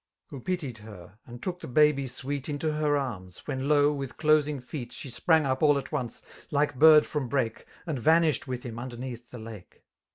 Who pitied her, and took the baby sweat Into her arms, when lo, with closing feet She sprang up all at once, like bird from brake, And vanished with him underneath the lake.